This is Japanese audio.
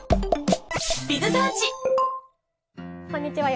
こんにちは。